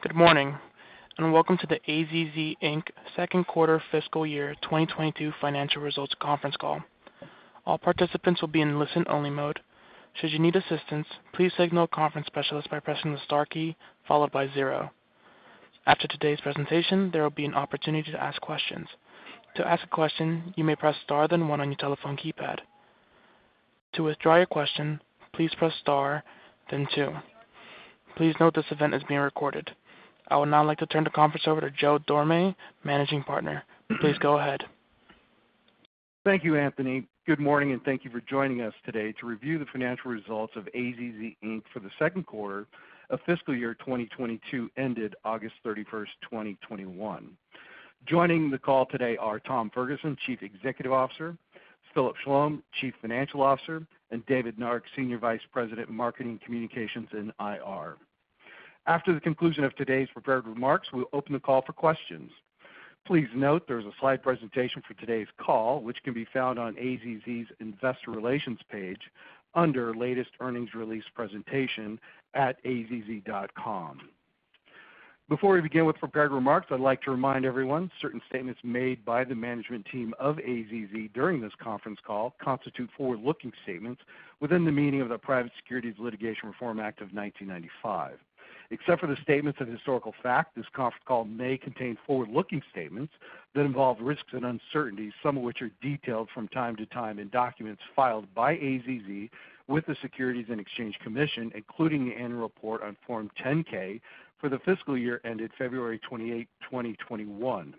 Good morning, and welcome to the AZZ Inc second quarter fiscal year 2022 financial results conference call. All participants will be in listen-only mode. Should you need assistance, please signal a conference specialist by pressing the star key, followed by zero. After today's presentation, there will be an opportunity to ask questions. To ask a question, you may press star, then one on your telephone keypad. To withdraw your question, please press star, then two. Please note this event is being recorded. I would now like to turn the conference over to Joe Dorame, Managing Partner. Please go ahead. Thank you, Anthony. Good morning, and thank you for joining us today to review the financial results of AZZ Inc for the second quarter of fiscal year 2022, ended August 31st, 2021. Joining the call today are Tom Ferguson, Chief Executive Officer, Philip Schlom, Chief Financial Officer, and David Nark, Senior Vice President, Marketing, Communications, and IR. After the conclusion of today's prepared remarks, we'll open the call for questions. Please note there is a slide presentation for today's call, which can be found on AZZ's investor relations page under Latest Earnings Release Presentation at azz.com. Before we begin with prepared remarks, I'd like to remind everyone, certain statements made by the management team of AZZ during this conference call constitute forward-looking statements within the meaning of the Private Securities Litigation Reform Act of 1995. Except for the statements of historical fact, this conference call may contain forward-looking statements that involve risks and uncertainties, some of which are detailed from time to time in documents filed by AZZ with the Securities and Exchange Commission, including the annual report on Form 10-K for the fiscal year ended February 28th, 2021.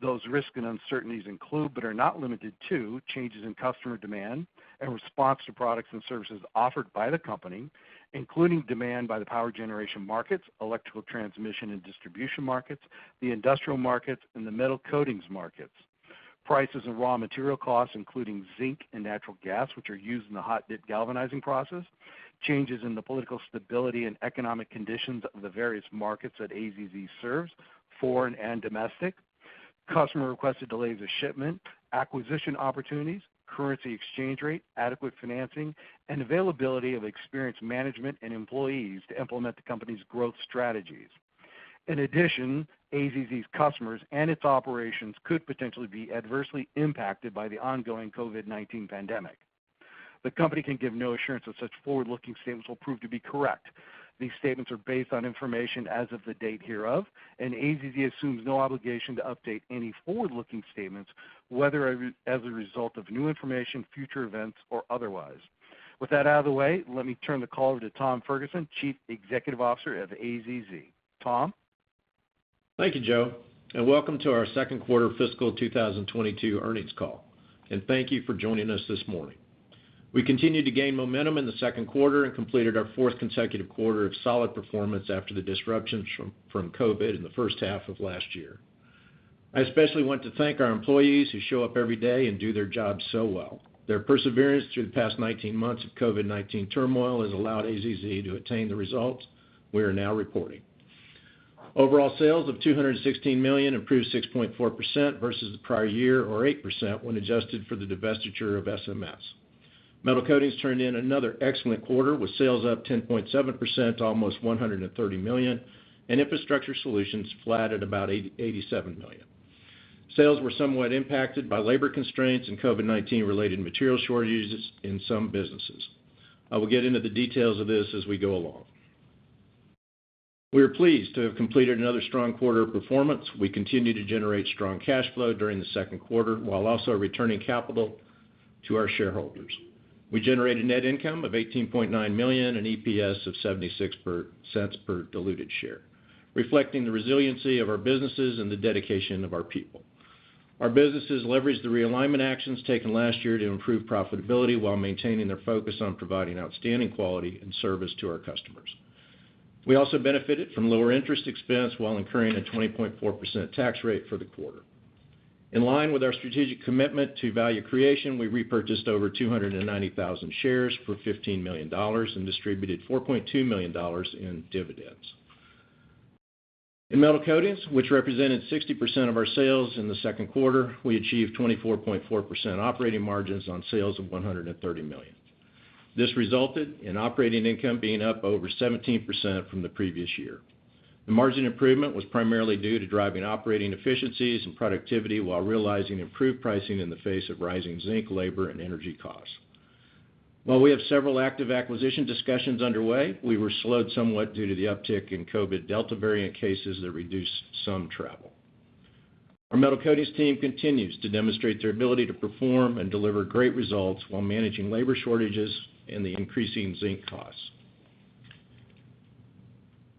Those risks and uncertainties include, but are not limited to, changes in customer demand and response to products and services offered by the company, including demand by the power generation markets, electrical transmission and distribution markets, the industrial markets, and the metal coatings markets. Prices and raw material costs, including zinc and natural gas, which are used in the hot-dip galvanizing process. Changes in the political stability and economic conditions of the various markets that AZZ serves, foreign and domestic. Customer requested delays of shipment, acquisition opportunities, currency exchange rate, adequate financing, and availability of experienced management and employees to implement the company's growth strategies. In addition, AZZ's customers and its operations could potentially be adversely impacted by the ongoing COVID-19 pandemic. The company can give no assurance that such forward-looking statements will prove to be correct. These statements are based on information as of the date hereof, and AZZ assumes no obligation to update any forward-looking statements, whether as a result of new information, future events, or otherwise. With that out of the way, let me turn the call over to Tom Ferguson, Chief Executive Officer of AZZ. Tom? Thank you, Joe, welcome to our second quarter fiscal 2022 earnings call. Thank you for joining us this morning. We continued to gain momentum in the second quarter and completed our fourth consecutive quarter of solid performance after the disruptions from COVID in the first half of last year. I especially want to thank our employees who show up every day and do their jobs so well. Their perseverance through the past 19 months of COVID-19 turmoil has allowed AZZ to attain the results we are now reporting. Overall sales of $216 million improved 6.4% versus the prior year or 8% when adjusted for the divestiture of SMS. Metal Coatings turned in another excellent quarter with sales up 10.7% to almost $130 million, and Infrastructure Solutions flat at about $87 million. Sales were somewhat impacted by labor constraints and COVID-19 related material shortages in some businesses. I will get into the details of this as we go along. We are pleased to have completed another strong quarter of performance. We continue to generate strong cash flow during the second quarter, while also returning capital to our shareholders. We generated net income of $18.9 million and EPS of $0.76 per diluted share, reflecting the resiliency of our businesses and the dedication of our people. Our businesses leveraged the realignment actions taken last year to improve profitability while maintaining their focus on providing outstanding quality and service to our customers. We also benefited from lower interest expense while incurring a 20.4% tax rate for the quarter. In line with our strategic commitment to value creation, we repurchased over 290,000 shares for $15 million and distributed $4.2 million in dividends. In Metal Coatings, which represented 60% of our sales in the second quarter, we achieved 24.4% operating margins on sales of $130 million. This resulted in operating income being up over 17% from the previous year. The margin improvement was primarily due to driving operating efficiencies and productivity while realizing improved pricing in the face of rising zinc, labor, and energy costs. We have several active acquisition discussions underway, we were slowed somewhat due to the uptick in COVID Delta variant cases that reduced some travel. Our Metal Coatings team continues to demonstrate their ability to perform and deliver great results while managing labor shortages and the increasing zinc costs.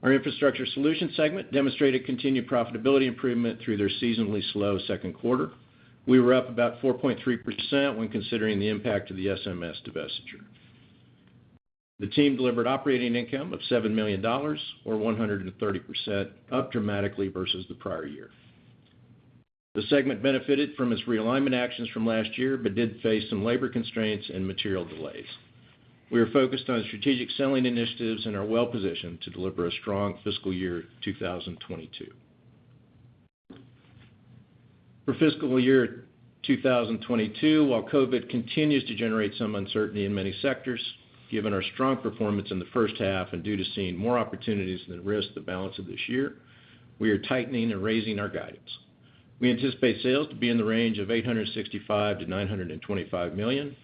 Our Infrastructure Solutions segment demonstrated continued profitability improvement through their seasonally slow second quarter. We were up about 4.3% when considering the impact of the SMS divestiture. The team delivered operating income of $7 million, or 130%, up dramatically versus the prior year. The segment benefited from its realignment actions from last year, but did face some labor constraints and material delays. We are focused on strategic selling initiatives and are well positioned to deliver a strong fiscal year 2022. For fiscal year 2022, while COVID continues to generate some uncertainty in many sectors, given our strong performance in the first half and due to seeing more opportunities than risk the balance of this year, we are tightening and raising our guidance. We anticipate sales to be in the range of $865 million-$925 million,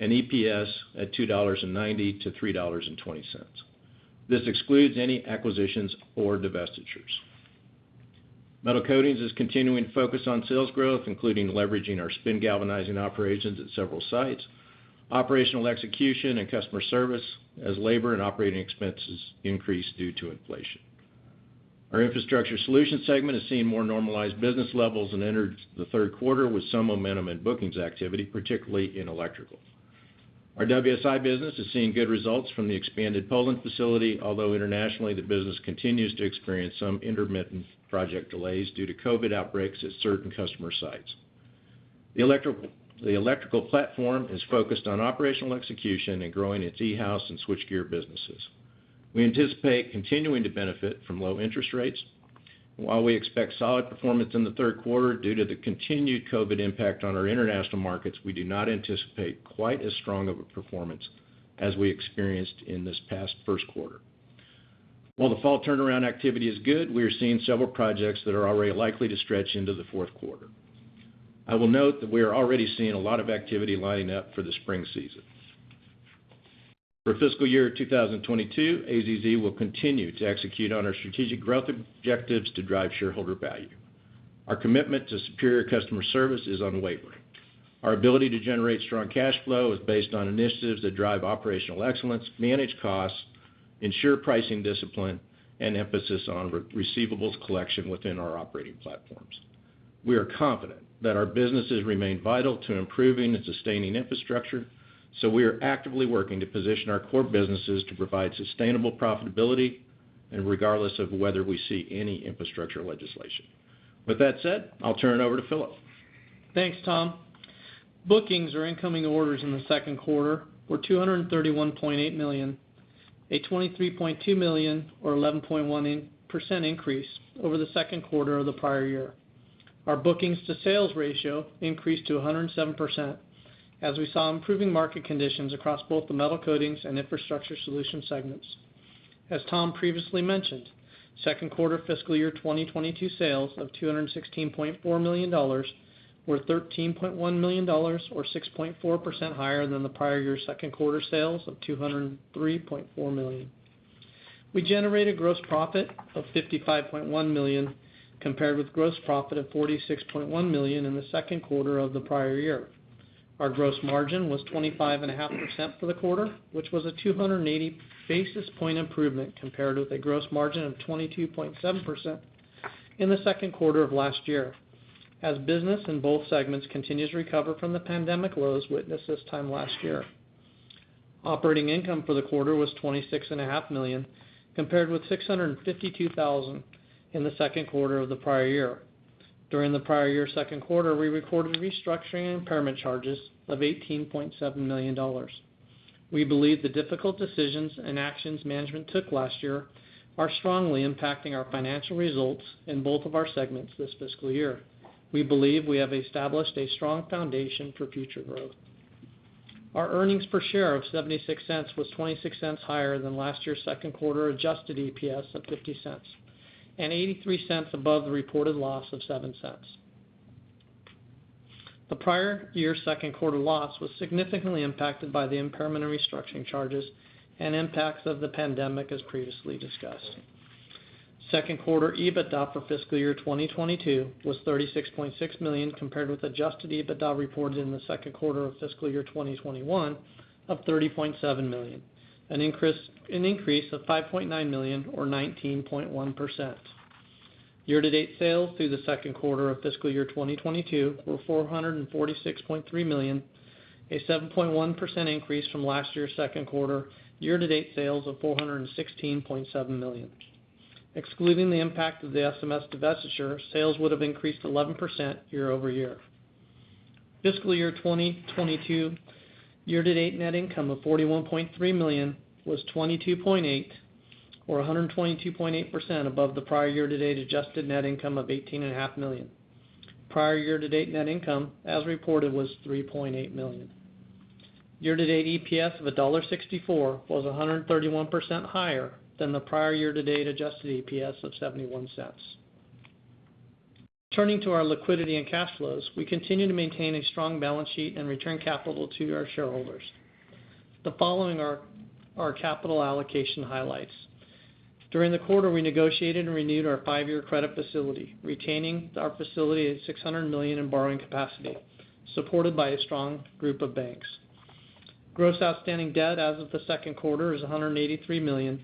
and EPS at $2.90-$3.20. This excludes any acquisitions or divestitures. Metal Coatings is continuing to focus on sales growth, including leveraging our spin galvanizing operations at several sites, operational execution and customer service, as labor and operating expenses increase due to inflation. Our Infrastructure Solutions segment is seeing more normalized business levels and entered the third quarter with some momentum in bookings activity, particularly in electrical. Our WSI business is seeing good results from the expanded Poland facility, although internationally, the business continues to experience some intermittent project delays due to COVID outbreaks at certain customer sites. The electrical platform is focused on operational execution and growing its e-house and switchgear businesses. We anticipate continuing to benefit from low interest rates. While we expect solid performance in the third quarter, due to the continued COVID impact on our international markets, we do not anticipate quite as strong of a performance as we experienced in this past first quarter. While the fall turnaround activity is good, we are seeing several projects that are already likely to stretch into the fourth quarter. I will note that we are already seeing a lot of activity lining up for the spring season. For fiscal year 2022, AZZ will continue to execute on our strategic growth objectives to drive shareholder value. Our commitment to superior customer service is unwavering. Our ability to generate strong cash flow is based on initiatives that drive operational excellence, manage costs, ensure pricing discipline, and emphasis on receivables collection within our operating platforms. We are confident that our businesses remain vital to improving and sustaining infrastructure, so we are actively working to position our core businesses to provide sustainable profitability, and regardless of whether we see any infrastructure legislation. With that said, I'll turn it over to Philip. Thanks, Tom. Bookings or incoming orders in the second quarter were $231.8 million, a $23.2 million or 11.1% increase over the second quarter of the prior year. Our bookings to sales ratio increased to 107%, as we saw improving market conditions across both the Metal Coatings and Infrastructure Solutions segments. Tom previously mentioned, second quarter fiscal year 2022 sales of $216.4 million were $13.1 million or 6.4% higher than the prior year second quarter sales of $203.4 million. We generated gross profit of $55.1 million, compared with gross profit of $46.1 million in the second quarter of the prior year. Our gross margin was 25.5% for the quarter, which was a 280 basis point improvement compared with a gross margin of 22.7% in the second quarter of last year. Business in both segments continues to recover from the pandemic lows witnessed this time last year. Operating income for the quarter was $26.5 million, compared with $652,000 in the second quarter of the prior year. During the prior year second quarter, we recorded restructuring and impairment charges of $18.7 million. We believe the difficult decisions and actions management took last year are strongly impacting our financial results in both of our segments this fiscal year. We believe we have established a strong foundation for future growth. Our earnings per share of $0.76 was $0.26 higher than last year's second quarter adjusted EPS of $0.50, and $0.83 above the reported loss of $0.07. The prior year second quarter loss was significantly impacted by the impairment and restructuring charges and impacts of the pandemic, as previously discussed. Second quarter EBITDA for fiscal year 2022 was $36.6 million compared with adjusted EBITDA reported in the second quarter of fiscal year 2021 of $30.7 million, an increase of $5.9 million or 19.1%. Year-to-date sales through the second quarter of fiscal year 2022 were $446.3 million, a 7.1% increase from last year's second quarter year-to-date sales of $416.7 million. Excluding the impact of the SMS divestiture, sales would have increased 11% year-over-year. Fiscal year 2022 year-to-date net income of $41.3 million was $22.8 million or 122.8% above the prior year-to-date adjusted net income of $18.5 million. Prior year-to-date net income, as reported, was $3.8 million. Year-to-date EPS of $1.64 was 131% higher than the prior year-to-date adjusted EPS of $0.71. Turning to our liquidity and cash flows, we continue to maintain a strong balance sheet and return capital to our shareholders. The following are our capital allocation highlights. During the quarter, we negotiated and renewed our five-year credit facility, retaining our facility at $600 million in borrowing capacity, supported by a strong group of banks. Gross outstanding debt as of the second quarter is $183 million,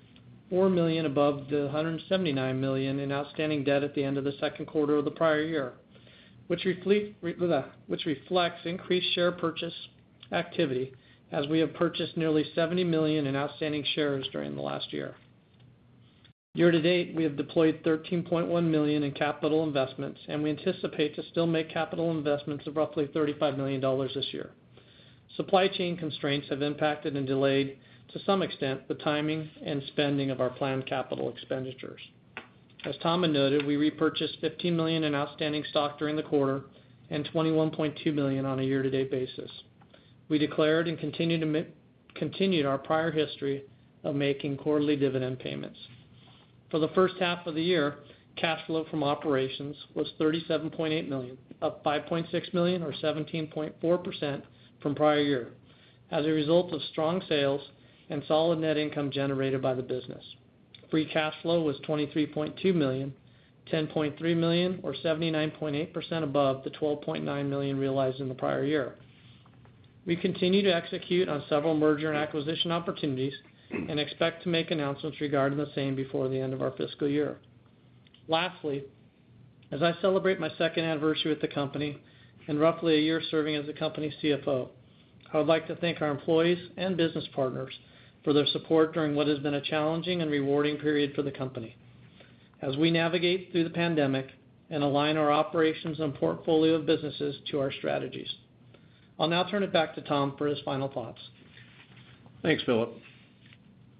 $4 million above the $179 million in outstanding debt at the end of the second quarter of the prior year, which reflects increased share purchase activity as we have purchased nearly $70 million in outstanding shares during the last year. Year-to-date, we have deployed $13.1 million in capital investments, and we anticipate to still make capital investments of roughly $35 million this year. Supply chain constraints have impacted and delayed, to some extent, the timing and spending of our planned capital expenditures. As Tom had noted, we repurchased $15 million in outstanding stock during the quarter, and $21.2 million on a year-to-date basis. We declared and continued our prior history of making quarterly dividend payments. For the first half of the year, cash flow from operations was $37.8 million, up $5.6 million or 17.4% from prior year, as a result of strong sales and solid net income generated by the business. Free cash flow was $23.2 million, $10.3 million or 79.8% above the $12.9 million realized in the prior year. We continue to execute on several merger and acquisition opportunities and expect to make announcements regarding the same before the end of our fiscal year. Lastly, as I celebrate my second anniversary with the company and roughly a year of serving as the company's CFO, I would like to thank our employees and business partners for their support during what has been a challenging and rewarding period for the company, as we navigate through the pandemic and align our operations and portfolio of businesses to our strategies. I will now turn it back to Tom for his final thoughts. Thanks, Philip.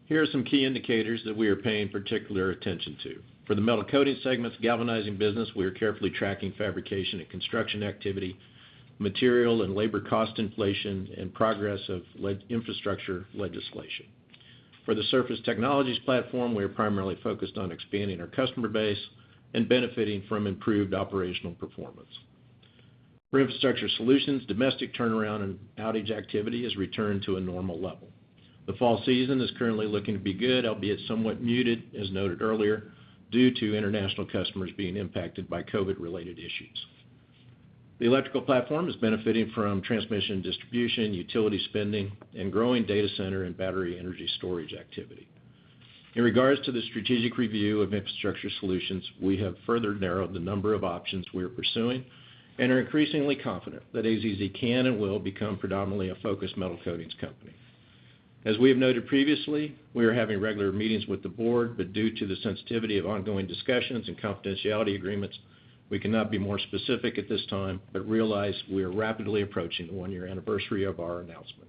Here are some key indicators that we are paying particular attention to. For the Metal Coatings segment's galvanizing business, we are carefully tracking fabrication and construction activity, material and labor cost inflation, and progress of infrastructure legislation. For the Surface Technologies platform, we are primarily focused on expanding our customer base and benefiting from improved operational performance. For Infrastructure Solutions, domestic turnaround and outage activity has returned to a normal level. The fall season is currently looking to be good, albeit somewhat muted, as noted earlier, due to international customers being impacted by COVID-related issues. The electrical platform is benefiting from transmission distribution, utility spending, and growing data center and battery energy storage activity. In regard to the strategic review of Infrastructure Solutions, we have further narrowed the number of options we are pursuing and are increasingly confident that AZZ can and will become predominantly a focused Metal Coatings company. As we have noted previously, we are having regular meetings with the board, but due to the sensitivity of ongoing discussions and confidentiality agreements, we cannot be more specific at this time, but realize we are rapidly approaching the one-year anniversary of our announcement.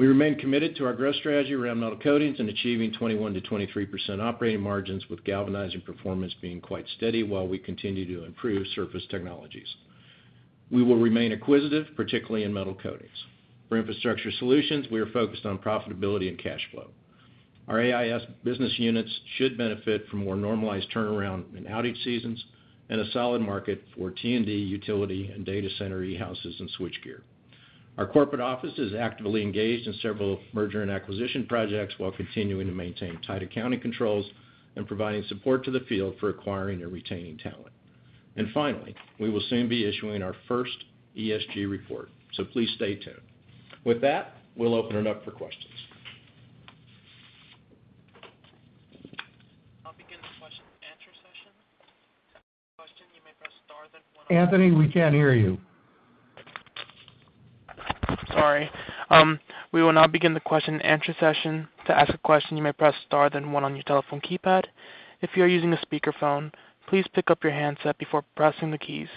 We remain committed to our growth strategy around Metal Coatings and achieving 21%-23% operating margins, with galvanizing performance being quite steady while we continue to improve Surface Technologies. We will remain acquisitive, particularly in Metal Coatings. For Infrastructure Solutions, we are focused on profitability and cash flow. Our AIS business units should benefit from more normalized turnaround in outage seasons and a solid market for T&D utility and data center e-houses and switchgear. Our corporate office is actively engaged in several merger and acquisition projects while continuing to maintain tight accounting controls and providing support to the field for acquiring and retaining talent. Finally, we will soon be issuing our first ESG report, so please stay tuned. With that, we'll open it up for questions. We will now begin the question-and-answer session. To ask a question, you may press star then one on your- Anthony, we can't hear you. Sorry. We will now begin the question-and-answer session. To ask a question, you may press star then one on your telephone keypad. If you are using a speakerphone, please pick up your handset before pressing the keys.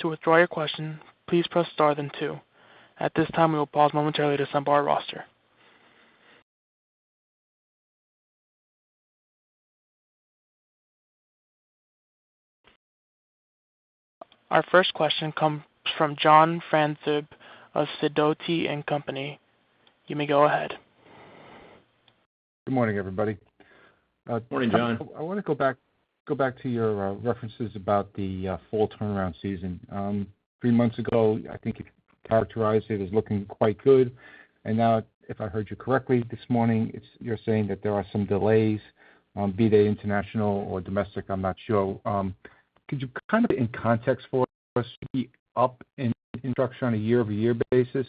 To withdraw your question, please press star then two. At this time, we will pause momentarily to assemble our roster. Our first question comes from John Franzreb of Sidoti & Company. You may go ahead. Good morning, everybody. Morning, John. I want to go back to your references about the fall turnaround season. Three months ago, I think you characterized it as looking quite good. Now, if I heard you correctly this morning, you're saying that there are some delays, be they international or domestic, I'm not sure. Could you kind of put it in context for us? Are we up in construction on a year-over-year basis?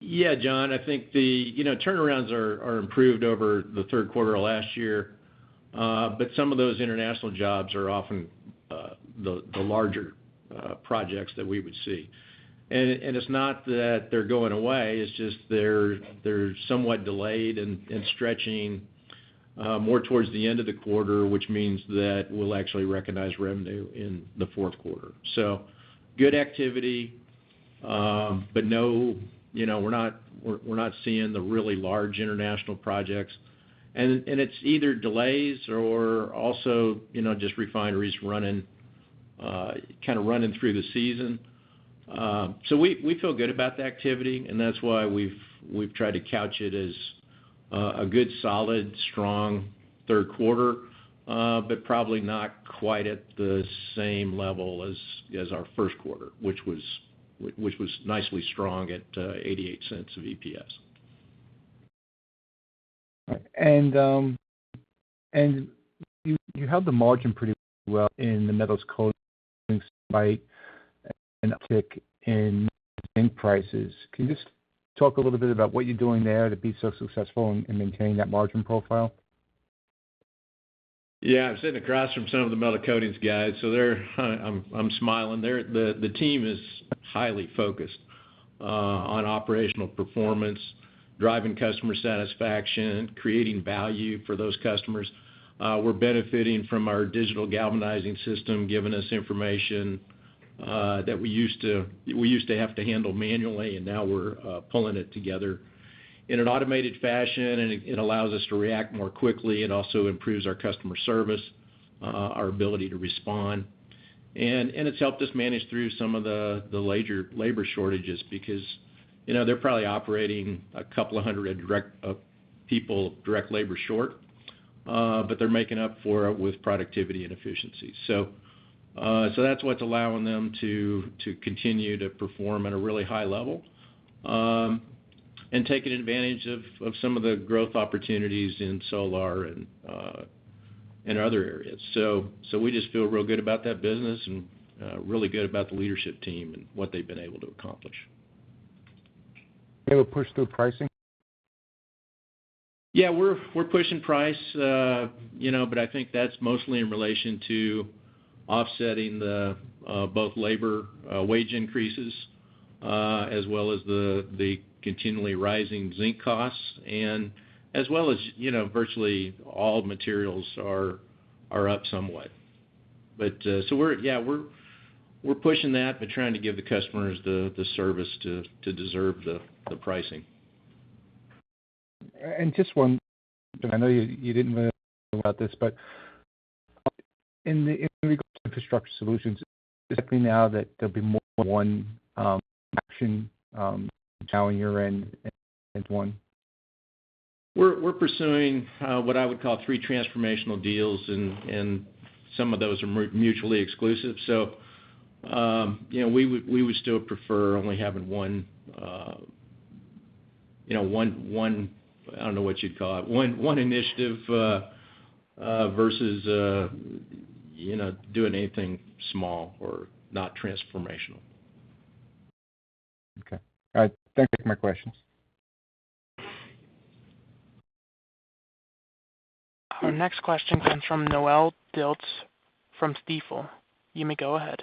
Yeah, John, I think the turnarounds are improved over the third quarter of last year. Some of those international jobs are often the larger projects that we would see. It's not that they're going away, it's just they're somewhat delayed and stretching more towards the end of the quarter, which means that we'll actually recognize revenue in the fourth quarter. Good activity, but no, we're not seeing the really large international projects. It's either delays or also just refineries kind of running through the season. We feel good about the activity, and that's why we've tried to couch it as a good, solid, strong third quarter. Probably not quite at the same level as our first quarter, which was nicely strong at $0.88 of EPS. All right. You held the margin pretty well in the Metal Coatings despite an uptick in zinc prices. Can you just talk a little bit about what you're doing there to be so successful in maintaining that margin profile? Yeah. I'm sitting across from some of the Metal Coatings guys. I'm smiling. The team is highly focused on operational performance, driving customer satisfaction, creating value for those customers. We're benefiting from our Digital Galvanizing System giving us information that we used to have to handle manually, and now we're pulling it together in an automated fashion, and it allows us to react more quickly. It also improves our customer service, our ability to respond. It's helped us manage through some of the labor shortages, because they're probably operating a couple of 100 people direct labor short. They're making up for it with productivity and efficiency. That's what's allowing them to continue to perform at a really high level, and taking advantage of some of the growth opportunities in solar and other areas. We just feel real good about that business, and really good about the leadership team and what they've been able to accomplish. Be able to push through pricing? Yeah. We're pushing price, but I think that's mostly in relation to offsetting both labor wage increases, as well as the continually rising zinc costs, and as well as virtually all materials are up somewhat. We're pushing that, but trying to give the customers the service to deserve the pricing. Just one, I know you didn't really talk about this, but in regard to Infrastructure Solutions, definitely now that there'll be more than one action on your end, as one? We're pursuing what I would call three transformational deals. Some of those are mutually exclusive. We would still prefer only having one initiative versus doing anything small or not transformational. Okay. All right. Thanks for taking my questions. Our next question comes from Noelle Dilts from Stifel. You may go ahead.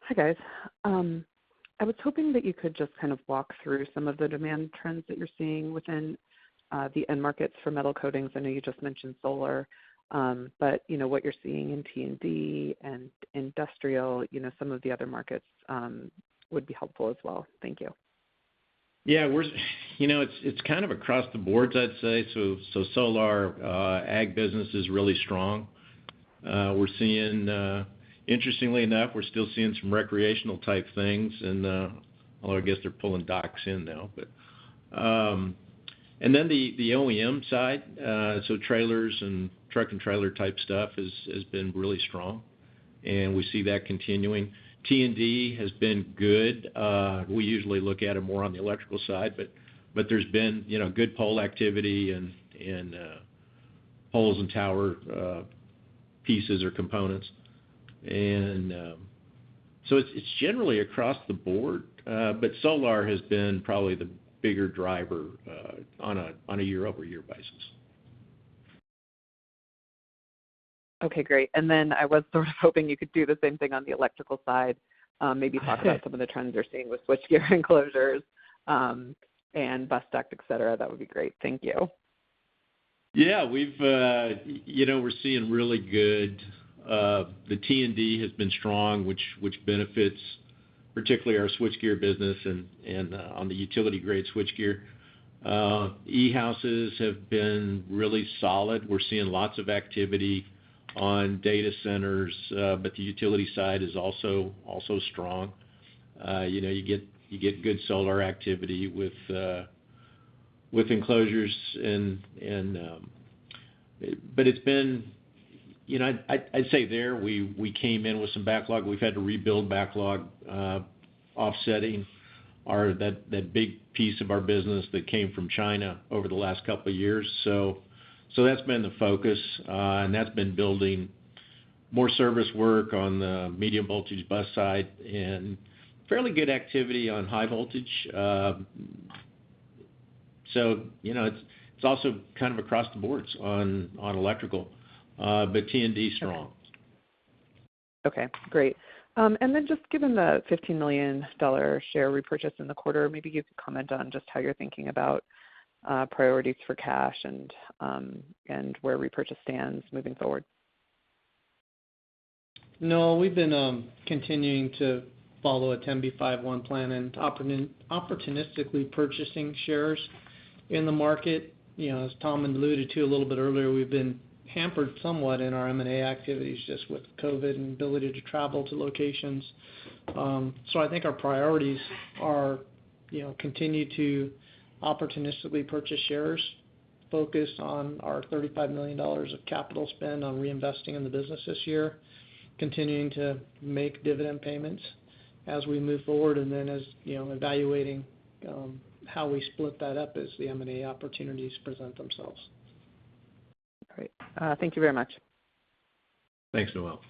Hi, guys. I was hoping that you could just kind of walk through some of the demand trends that you're seeing within the end markets for Metal Coatings. I know you just mentioned solar. What you're seeing in T&D and industrial, some of the other markets would be helpful as well. Thank you. It's kind of across the boards, I'd say. Solar ag business is really strong. Interestingly enough, we're still seeing some recreational type things, although I guess they're pulling docks in now. The OEM side, trailers and truck and trailer type stuff has been really strong, and we see that continuing. T&D has been good. We usually look at it more on the electrical side, there's been good pole activity and poles and tower pieces or components. It's generally across the board. Solar has been probably the bigger driver on a year-over-year basis. Okay, great. I was sort of hoping you could do the same thing on the electrical side. Maybe talk about some of the trends you're seeing with switchgear enclosures and bus duct, et cetera. That would be great. Thank you. Yeah. The T&D has been strong, which benefits particularly our switchgear business and on the utility grade switchgear. E-houses have been really solid. We're seeing lots of activity on data centers. The utility side is also strong. You get good solar activity with enclosures. I'd say there, we came in with some backlog. We've had to rebuild backlog, offsetting that big piece of our business that came from China over the last couple of years. That's been the focus, and that's been building more service work on the medium voltage bus side, and fairly good activity on high voltage. It's also kind of across the boards on electrical, but T&D is strong. Okay, great. Given the $15 million share repurchase in the quarter, maybe you could comment on just how you're thinking about priorities for cash, and where repurchase stands moving forward. No. We've been continuing to follow a 10b5-1 plan and opportunistically purchasing shares in the market. As Tom alluded to a little bit earlier, we've been hampered somewhat in our M&A activities just with COVID and ability to travel to locations. I think our priorities are continue to opportunistically purchase shares, focus on our $35 million of capital spend on reinvesting in the business this year, continuing to make dividend payments as we move forward, and then evaluating how we split that up as the M&A opportunities present themselves. Great. Thank you very much. Thanks, Noelle.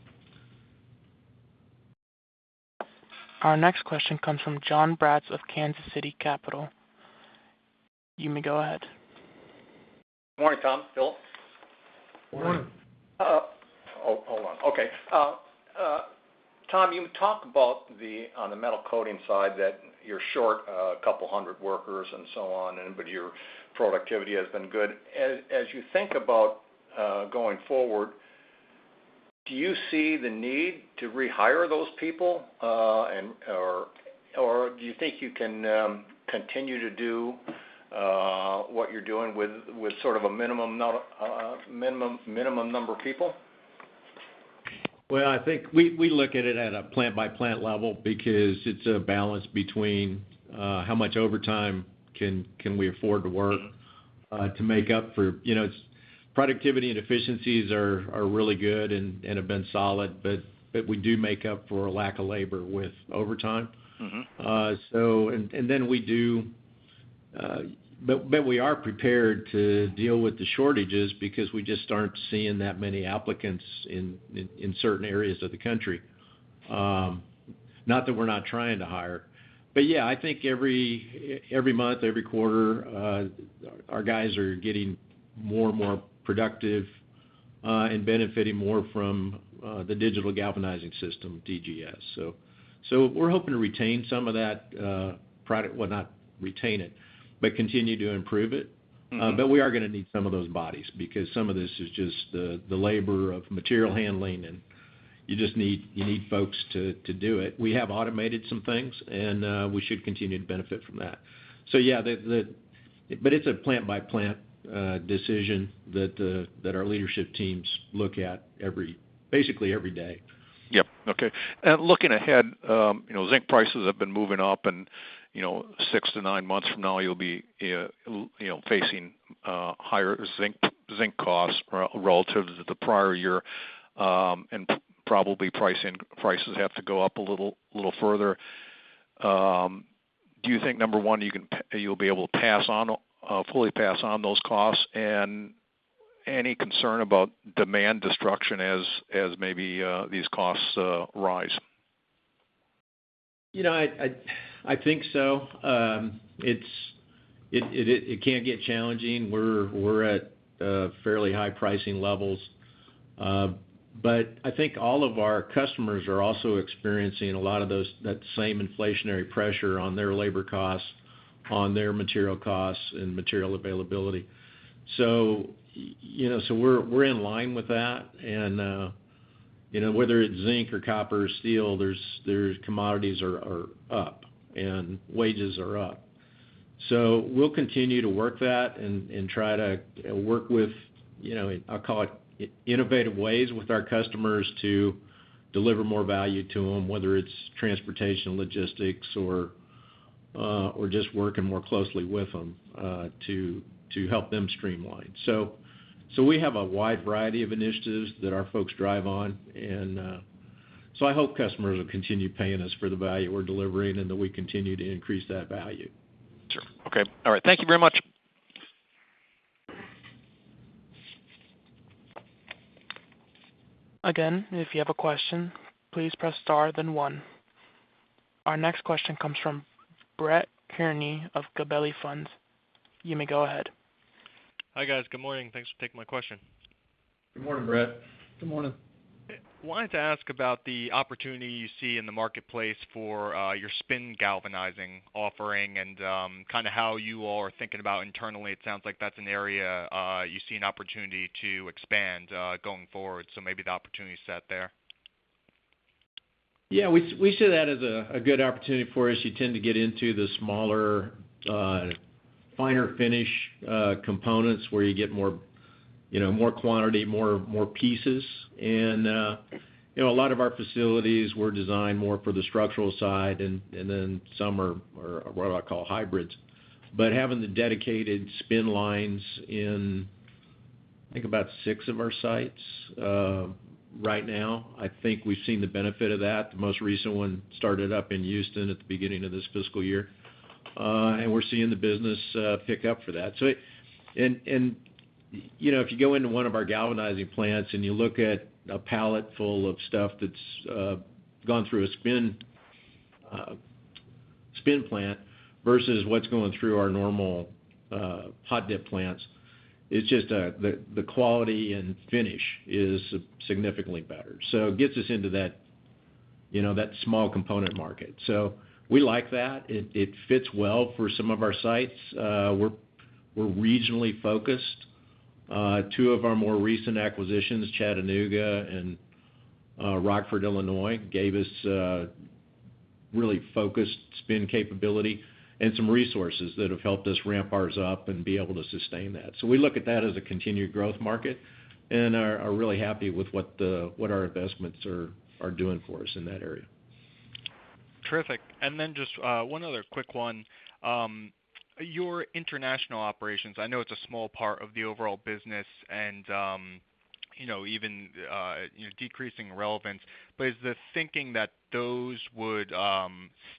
Our next question comes from Jon Braatz of Kansas City Capital. You may go ahead. Good morning, Tom, Phil. Good morning. Hold on. Okay. Tom, you talk about on the Metal Coatings side that you're short a couple hundred workers and so on, but your productivity has been good. As you think about going forward, do you see the need to rehire those people? Do you think you can continue to do what you're doing with sort of a minimum number of people? Well, I think we look at it at a plant-by-plant level because it's a balance between how much overtime can we afford to work to make up for productivity and efficiencies are really good and have been solid. We do make up for a lack of labor with overtime. We are prepared to deal with the shortages because we just aren't seeing that many applicants in certain areas of the country. Not that we're not trying to hire, but yeah, I think every month, every quarter, our guys are getting more and more productive, and benefiting more from the Digital Galvanizing System, DGS. We're hoping to retain some of that product. Well, not retain it, but continue to improve it. We are going to need some of those bodies, because some of this is just the labor of material handling, and you just need folks to do it. We have automated some things, and we should continue to benefit from that. Yeah. It's a plant-by-plant decision that our leadership teams look at basically every day. Yep. Okay. Looking ahead, zinc prices have been moving up, and six to nine months from now, you'll be facing higher zinc costs relative to the prior year, and probably prices have to go up a little further. Do you think, number one, you'll be able to fully pass on those costs? Any concern about demand destruction as maybe these costs rise? I think so. It can get challenging. We're at fairly high pricing levels. I think all of our customers are also experiencing a lot of that same inflationary pressure on their labor costs, on their material costs, and material availability. We're in line with that. Whether it's zinc or copper or steel, commodities are up and wages are up. We'll continue to work that and try to work with, I'll call it innovative ways with our customers to deliver more value to them, whether it's transportation logistics or just working more closely with them to help them streamline. We have a wide variety of initiatives that our folks drive on, and so I hope customers will continue paying us for the value we're delivering and that we continue to increase that value. Sure. Okay. All right. Thank you very much. If you have a question, please press star then one. Our next question comes from Brett Kearney of Gabelli Funds. You may go ahead. Hi, guys. Good morning. Thanks for taking my question. Good morning, Brett. Good morning. Wanted to ask about the opportunity you see in the marketplace for your spin galvanizing offering and kind of how you all are thinking about internally. It sounds like that's an area you see an opportunity to expand going forward. Maybe the opportunity set there. We see that as a good opportunity for us. You tend to get into the smaller, finer finish components where you get more quantity, more pieces, a lot of our facilities were designed more for the structural side, and then some are what I call hybrids. Having the dedicated spin lines in, I think about six of our sites right now, I think we've seen the benefit of that. The most recent one started up in Houston at the beginning of this fiscal year. We're seeing the business pick up for that. If you go into one of our galvanizing plants and you look at a pallet full of stuff that's gone through a spin plant versus what's going through our normal hot-dip plants, it's just the quality and finish is significantly better. It gets us into that small component market. We like that. It fits well for some of our sites. We're regionally focused. Two of our more recent acquisitions, Chattanooga and Rockford, Illinois, gave us a really focused spin capability and some resources that have helped us ramp ours up and be able to sustain that. We look at that as a continued growth market and are really happy with what our investments are doing for us in that area. Terrific. Just one other quick one. Your international operations, I know it's a small part of the overall business and even decreasing relevance, but is the thinking that those would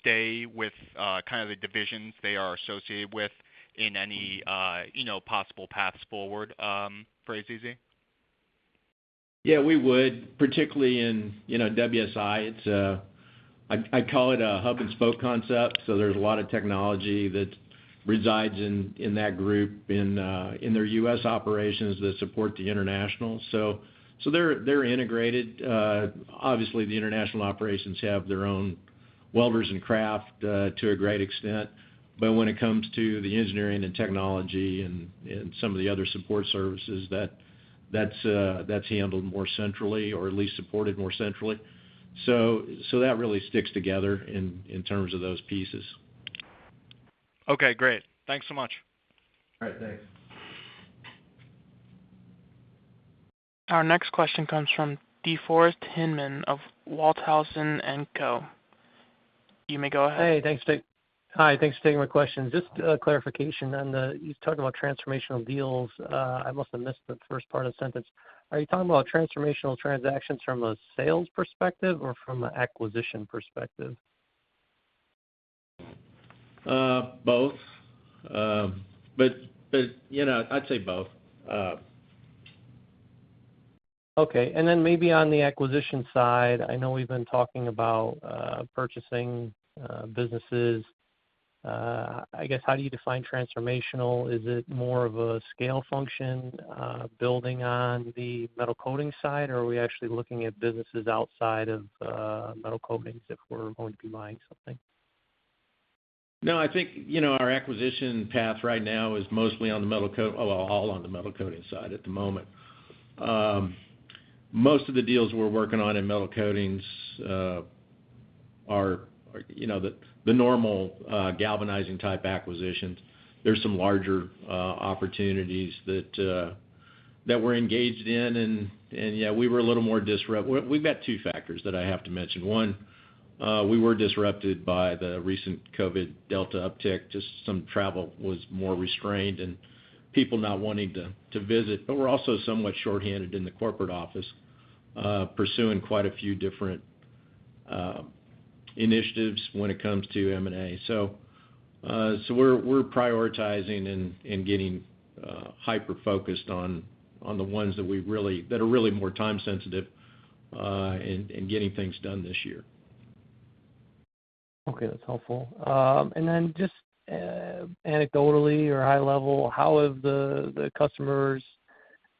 stay with kind of the divisions they are associated with in any possible paths forward for AZZ? Yeah, we would. Particularly in WSI. I call it a hub and spoke concept. There's a lot of technology that resides in that group, in their U.S. operations that support the international. They're integrated. Obviously, the international operations have their own welders and craft to a great extent. When it comes to the engineering and technology and some of the other support services, that's handled more centrally or at least supported more centrally. That really sticks together in terms of those pieces. Okay, great. Thanks so much. All right. Thanks. Our next question comes from DeForest Hinman of Walthausen & Co. You may go ahead. Hey. Thanks for taking my question. Just a clarification. You talked about transformational deals. I must have missed the first part of the sentence. Are you talking about transformational transactions from a sales perspective or from an acquisition perspective? Both. I'd say both. Okay. Maybe on the acquisition side, I know we've been talking about purchasing businesses. I guess, how do you define transformational? Is it more of a scale function building on the Metal Coatings side, or are we actually looking at businesses outside of Metal Coatings if we're going to be buying something? I think our acquisition path right now is all on the Metal Coatings side at the moment. Most of the deals we're working on in Metal Coatings are the normal galvanizing type acquisitions. There's some larger opportunities that we're engaged in. We've got two factors that I have to mention. One, we were disrupted by the recent COVID Delta uptick. Just some travel was more restrained and people not wanting to visit. We're also somewhat short-handed in the corporate office, pursuing quite a few different initiatives when it comes to M&A. We're prioritizing and getting hyper-focused on the ones that are really more time sensitive, and getting things done this year. Okay. That's helpful. Just anecdotally or high level, how have the customers,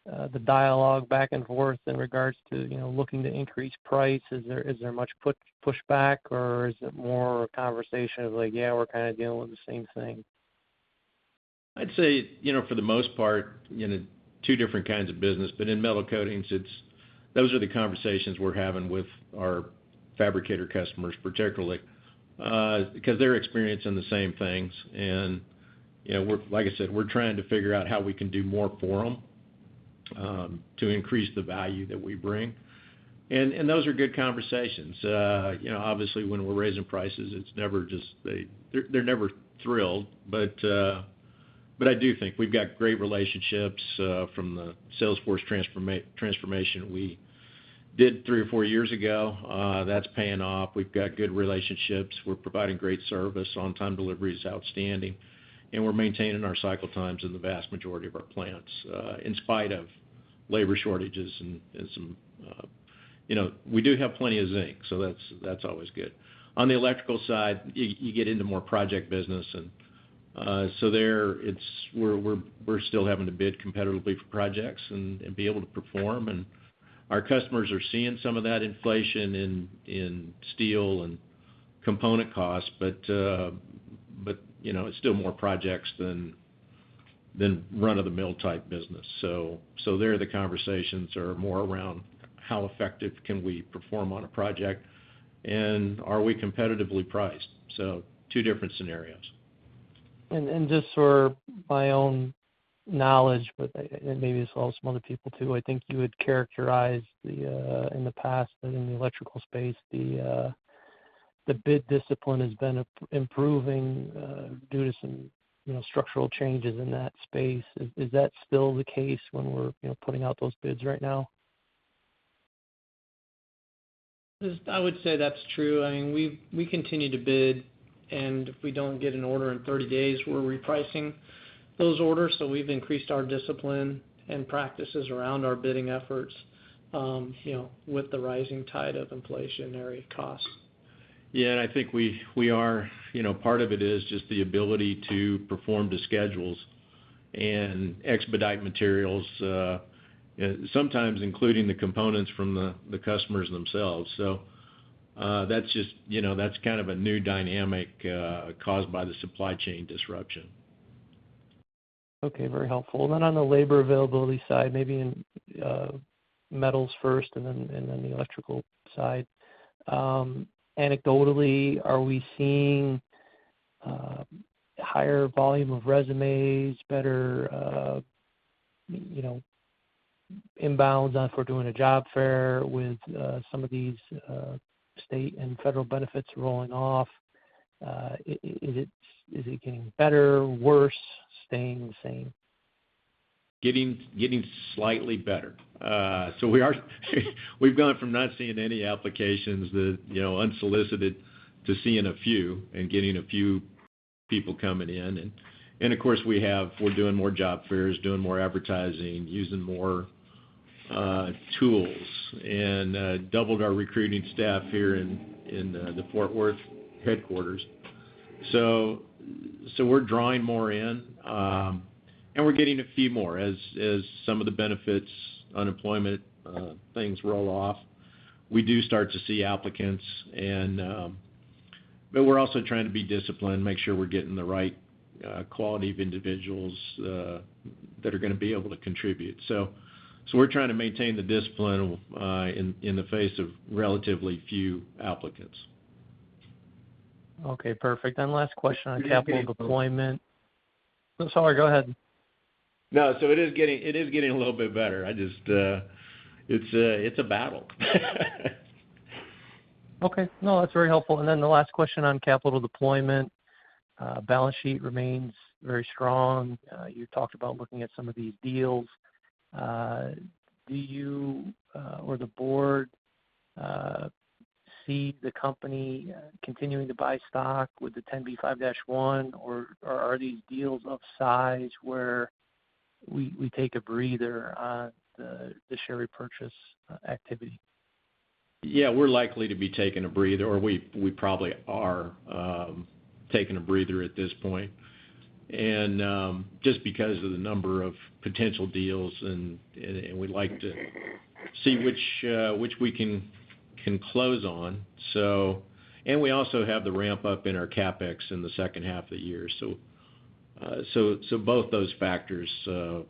the dialogue back and forth in regard to looking to increase price? Is there much pushback, or is it more a conversation of like, yeah, we're kind of dealing with the same thing? I'd say, for the most part, two different kinds of business. In Metal Coatings, those are the conversations we're having with our fabricator customers, particularly. They're experiencing the same things, like I said, we're trying to figure out how we can do more for them to increase the value that we bring. Those are good conversations. Obviously when we're raising prices, they're never thrilled, I do think we've got great relationships from the salesforce transformation we did three or four years ago. That's paying off. We've got good relationships. We're providing great service. On-time delivery is outstanding, we're maintaining our cycle times in the vast majority of our plants, in spite of labor shortages. We do have plenty of zinc, that's always good. On the electrical side, you get into more project business. There, we're still having to bid competitively for projects and be able to perform. Our customers are seeing some of that inflation in steel and component costs, but it's still more projects than run-of-the-mill type business. There, the conversations are more around how effective can we perform on a project, and are we competitively priced? Two different scenarios. Just for my own knowledge, but maybe as well as some other people, too, I think you had characterized in the past that in the electrical space, the bid discipline has been improving due to some structural changes in that space. Is that still the case when we're putting out those bids right now? I would say that's true. We continue to bid, and if we don't get an order in 30 days, we're repricing those orders. We've increased our discipline and practices around our bidding efforts with the rising tide of inflationary costs. I think part of it is just the ability to perform to schedules and expedite materials, sometimes including the components from the customers themselves. That's kind of a new dynamic caused by the supply chain disruption. Okay. Very helpful. Then on the labor availability side, maybe in metals first and then the electrical side. Anecdotally, are we seeing higher volume of resumes, better inbounds for doing a job fair with some of these state and federal benefits rolling off? Is it getting better, worse, staying the same? Getting slightly better. We've gone from not seeing any applications, unsolicited, to seeing a few and getting a few people coming in. Of course, we're doing more job fairs, doing more advertising, using more tools, and doubled our recruiting staff here in the Fort Worth headquarters. We're drawing more in, and we're getting a few more. As some of the benefits, unemployment things roll off, we do start to see applicants. We're also trying to be disciplined, make sure we're getting the right quality of individuals that are going to be able to contribute. We're trying to maintain the discipline in the face of relatively few applicants. Okay, perfect. Last question on capital deployment. Sorry, go ahead. No, it is getting a little bit better. It's a battle. Okay. No, that's very helpful. The last question on capital deployment. Balance sheet remains very strong. You talked about looking at some of these deals. Do you or the board see the company continuing to buy stock with the 10b5-1, or are these deals of size where we take a breather on the share repurchase activity? Yeah, we're likely to be taking a breather, or we probably are taking a breather at this point, just because of the number of potential deals, we'd like to see which we can close on. We also have the ramp up in our CapEx in the second half of the year. Both those factors. The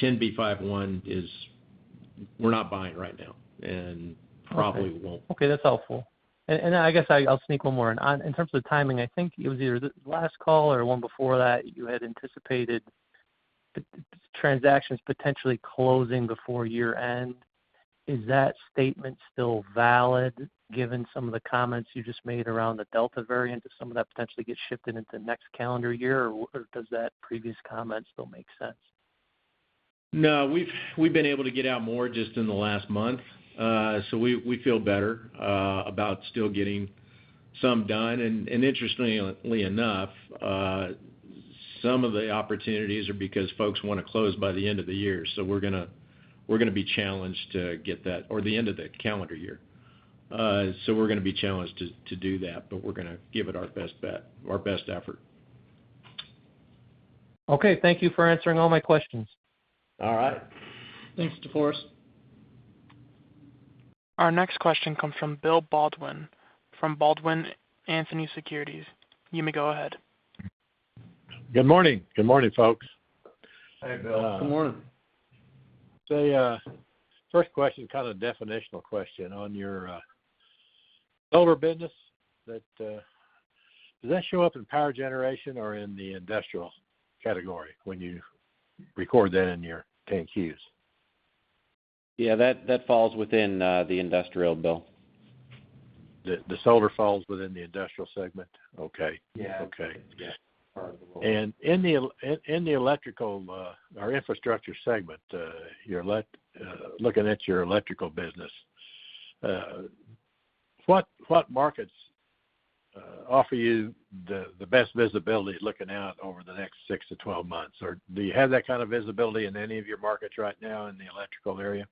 10b5-1 is we're not buying right now, probably won't. Okay. That's helpful. I guess I'll sneak one more in. In terms of the timing, I think it was either the last call or one before that you had anticipated transactions potentially closing before year-end. Is that statement still valid given some of the comments you just made around the Delta variant? Does some of that potentially get shifted into next calendar year, or does that previous comment still make sense? No, we've been able to get out more just in the last month. We feel better about still getting some done. Interestingly enough, some of the opportunities are because folks want to close by the end of the year, so we're going to be challenged to get that or the end of the calendar year. We're going to be challenged to do that, but we're going to give it our best effort. Okay. Thank you for answering all my questions. All right. Thanks, DeForest. Our next question comes from Bill Baldwin from Baldwin Anthony Securities. You may go ahead. Good morning, folks. Hey, Bill. Good morning. First question, kind of a definitional question on your solar business. Does that show up in power generation or in the industrial category when you record that in your 10-Qs? Yeah, that falls within the industrial, Bill. The solar falls within the industrial segment? Okay. Yeah. Okay. Got it. Yeah. In the electrical, our Infrastructure Solutions segment, looking at your electrical business, what markets offer you the best visibility looking out over the next 6-12 months? Do you have that kind of visibility in any of your markets right now in the electrical area?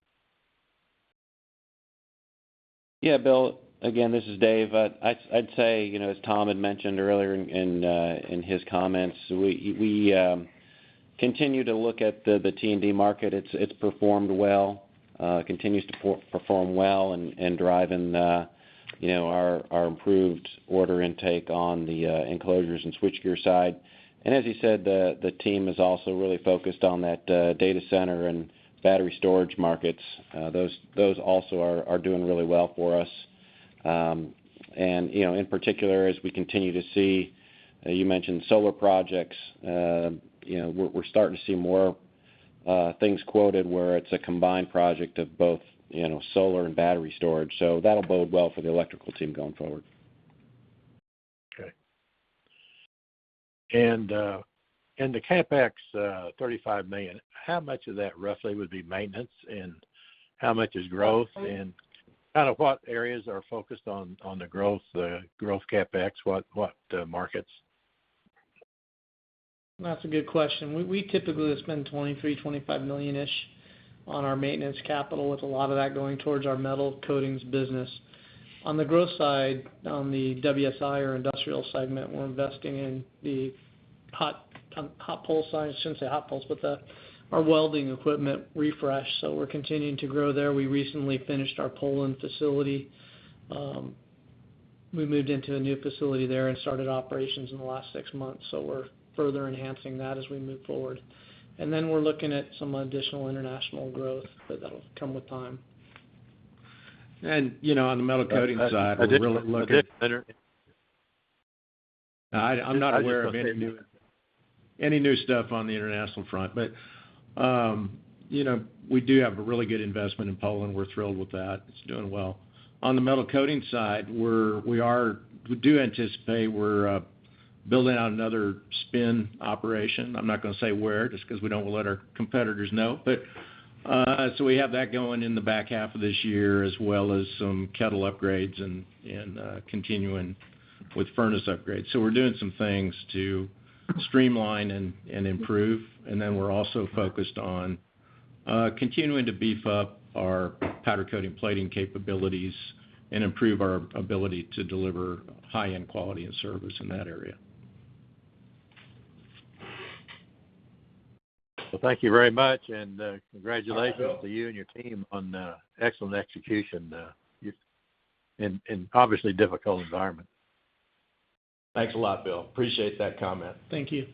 Yeah, Bill. Again, this is David. I'd say, as Tom had mentioned earlier in his comments, we continue to look at the T&D market. It's performed well, continues to perform well and driving our improved order intake on the enclosures and switchgear side. As you said, the team is also really focused on that data center and battery storage markets. Those also are doing really well for us. In particular, as we continue to see, you mentioned solar projects. We're starting to see more things quoted where it's a combined project of both solar and battery storage. That'll bode well for the electrical team going forward. Okay. The CapEx, $35 million, how much of that roughly would be maintenance, and how much is growth, and kind of what areas are focused on the growth CapEx? What markets? That's a good question. We typically will spend $23 million-$25 million-ish on our maintenance capital, with a lot of that going towards our Metal Coatings business. On the growth side, on the WSI or industrial segment, we're investing in the hot pole side. I shouldn't say hot poles, but our welding equipment refresh. We're continuing to grow there. We recently finished our Poland facility. We moved into a new facility there and started operations in the last six months. We're further enhancing that as we move forward. We're looking at some additional international growth, but that'll come with time. On the Metal Coatings side, we're really. Are there better- I'm not aware of any new stuff on the international front. We do have a really good investment in Poland. We're thrilled with that. It's doing well. On the Metal Coatings side, we do anticipate we're building out another spin operation. I'm not going to say where, just because we don't let our competitors know. We have that going in the back half of this year, as well as some kettle upgrades and continuing with furnace upgrades. We're doing some things to streamline and improve, and then we're also focused on continuing to beef up our powder coating plating capabilities and improve our ability to deliver high-end quality and service in that area. Well, thank you very much, and congratulations to you and your team on the excellent execution in obviously a difficult environment. Thanks a lot, Bill. Appreciate that comment. Thank you.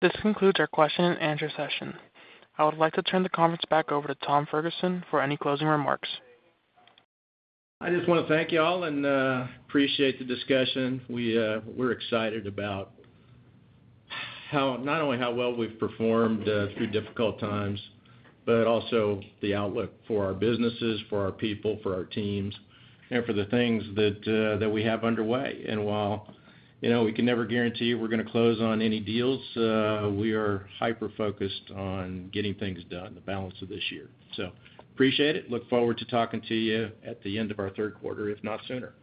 This concludes our question-and-answer session. I would like to turn the conference back over to Tom Ferguson for any closing remarks. I just want to thank you all and appreciate the discussion. We're excited about not only how well we've performed through difficult times, but also the outlook for our businesses, for our people, for our teams, and for the things that we have underway. While we can never guarantee we're going to close on any deals, we are hyper-focused on getting things done the balance of this year. Appreciate it. Look forward to talking to you at the end of our third quarter, if not sooner.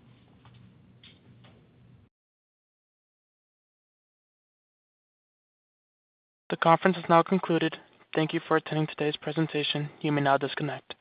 The conference has now concluded. Thank you for attending today's presentation. You may now disconnect.